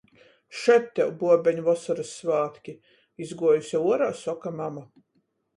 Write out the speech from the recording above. "Še, tev buobeņ, Vosoryssvātki!" izguojuse uorā, soka mama.